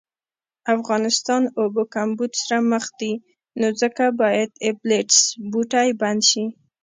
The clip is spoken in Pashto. افغانستان اوبو کمبود سره مخ دي نو ځکه باید ابلیټس بوټی بند شي